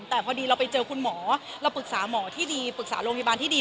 แต่พอดีเราไปเจอคุณหมอเราปรึกษาหมอที่ดีปรึกษาโรงพยาบาลที่ดี